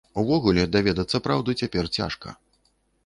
Увогуле, даведацца праўду цяпер цяжка.